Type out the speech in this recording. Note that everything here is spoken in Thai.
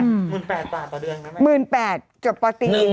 ๑๘๐๐๐บาทต่อเดือนนะแม่จบประตี